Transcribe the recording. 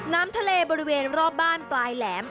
น้ำทะเลบริเวณรอบบ้านปลายแหลม